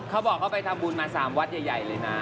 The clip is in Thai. เขาบอกเขาไปทำบุญมา๓วัดใหญ่เลยนะ